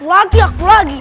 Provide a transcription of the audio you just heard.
lagi aku lagi